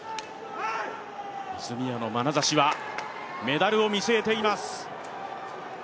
泉谷のまなざしはメダルを見据えています。